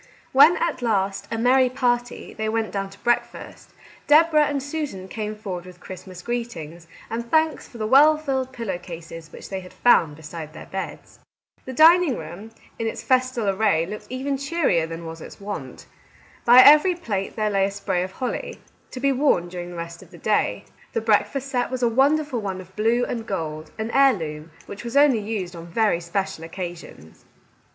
When at last, a merry party, they went down to breakfast, Deborah and Susan came forward with Christmas greetings, and thanks for the well filled pillow cases which they had found beside their beds. The dining room in its festal array looked even cheerier than was its wont. By every plate there lay a spray of holly, to be worn during the rest of the day. The breakfast set was a wonderful one of blue and gold, an heirloom, which was only used on very special occasions.